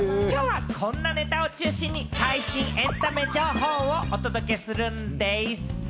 きょうはこんなネタを中心に最新エンタメ情報をお届けするんでぃす。